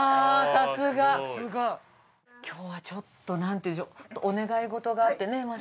さすが！今日はちょっとなんていうんでしょうお願い事があってねマスターね。